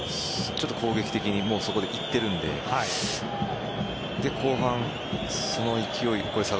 ちょっと攻撃的にそこでいってるので後半、その勢い。